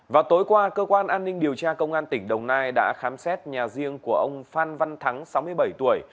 vào tối qua cơ quan an ninh điều tra công an tỉnh đồng nai đã khám xét nhà riêng của ông phan văn thắng sáu mươi bảy tuổi